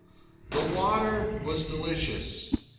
The water was delicious.